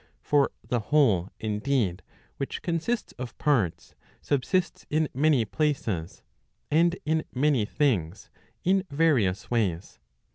For the whole indeed, which consists of parts, subsists in many places, and in many things, in various ways.